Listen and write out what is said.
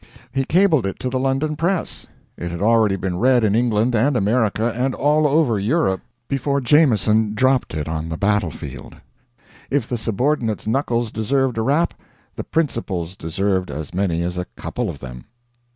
He cabled it to the London press. It had already been read in England and America and all over Europe before Jameson dropped it on the battlefield. If the subordinate's knuckles deserved a rap, the principal's deserved as many as a couple of them.